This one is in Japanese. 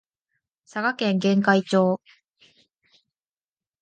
佐賀県玄海町